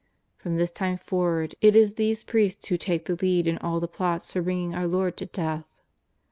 From this time forward it is these priests who take the lead in all the plots for bringing our Lord to death.